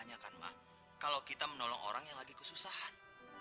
banyak kan mak kalau kita menolong orang yang lagi kesusahan